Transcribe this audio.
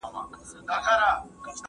تشکيلات ابليس ته څه وايي؟